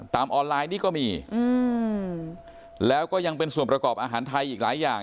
ออนไลน์นี่ก็มีแล้วก็ยังเป็นส่วนประกอบอาหารไทยอีกหลายอย่าง